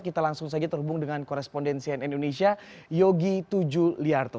kita langsung saja terhubung dengan korespondensian indonesia yogi tujuliarto